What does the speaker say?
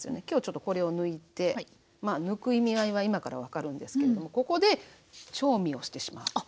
今日ちょっとこれを抜いて抜く意味合いは今から分かるんですけれどもここで調味をしてしまう。